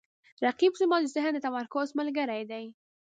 رقیب زما د ذهن د تمرکز ملګری دی